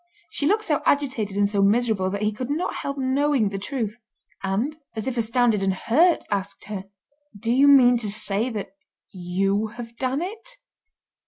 She looked so agitated and so miserable that he could not help knowing the truth, and, as if astounded and hurt, asked her: "Do you mean to say that you have done it?"